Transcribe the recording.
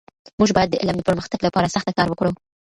موږ باید د علم د پرمختګ لپاره سخته کار وکړو.